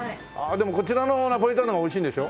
でもこちらのナポリタンの方が美味しいんでしょ？